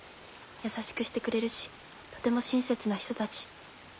優しくしてくれるしとても親切な人たち。